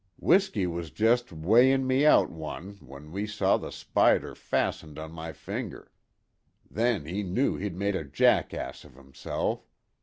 W'isky was just weigh in' me out one w'en 'e saw the spider fastened on my finger; then 'e knew he'd made a jack ass of 'imself.